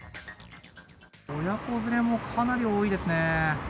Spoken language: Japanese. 親子連れもかなり多いですね。